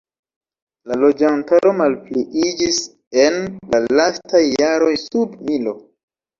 La loĝantaro malpliiĝis en la lastaj jaroj sub milo.